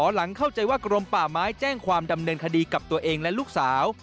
หลังเข้าใจว่ากรมป่าไม้แจ้งความดำเนินคดีกับตัวเองและลูกสาว